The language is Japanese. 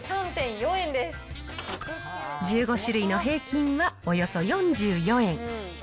１５種類の平均はおよそ４４円。